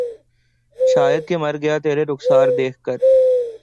شاید کہ مر گیا ترے رخسار دیکھ کر